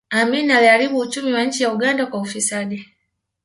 amini aliharibu uchumi wa nchi ya uganda kwa ufisadi